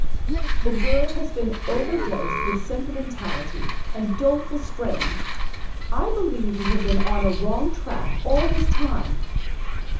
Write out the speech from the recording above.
The girl has been overdosed with sentimentality and doleful strains. I believe we have been on a wrong track all this time."